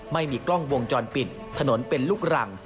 ไม่มีกล้องวงจรปิดถนนเป็นลูกรัง